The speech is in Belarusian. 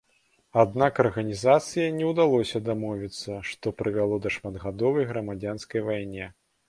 Аднак арганізацыяй не ўдалося дамовіцца, што прывяло да шматгадовай грамадзянскай вайне.